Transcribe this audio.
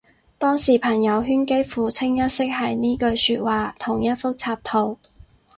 當時朋友圈幾乎清一色係呢句說話同一幅插圖